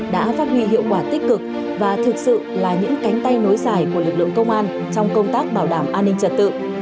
đã phát huy hiệu quả tích cực và thực sự là những cánh tay nối dài của lực lượng công an trong công tác bảo đảm an ninh trật tự